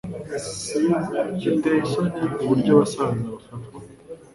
Biteye isoni uburyo abasaza bafatwa